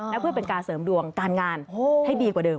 และเพื่อเป็นการเสริมดวงการงานให้ดีกว่าเดิ